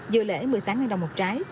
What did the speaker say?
dưa lễ một mươi tám đồng một trái